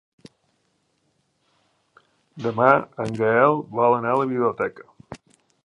Demà en Gaël vol anar a la biblioteca.